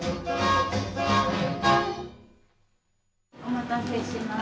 お待たせしました。